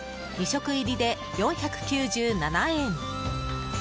食入りで４９７円。